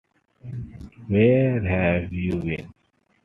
Where've you been?